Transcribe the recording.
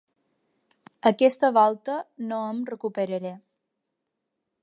Aquesta volta no em recuperaré.